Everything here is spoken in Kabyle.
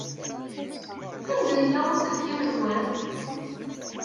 Anda yella uselkim-nwen?